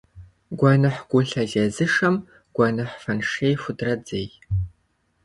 Гуэныхь гулъэ зезышэм гуэныхь фэншей худрадзей.